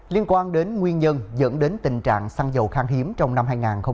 liên quan đến nguyên nhân dẫn đến tình trạng xăng dầu khang hiếm trong năm hai nghìn hai mươi